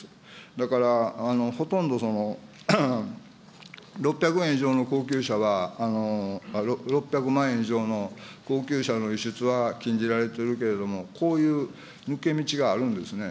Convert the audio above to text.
だから、ほとんど、６００万以上の高級車は、６００万円以上の高級車の輸出は禁じられておるけれども、こういう抜け道があるんですね。